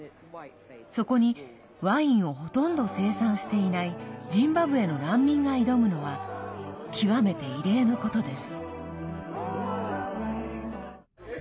そこにワインをほとんど生産していないジンバブエの難民が挑むのは極めて異例のことです。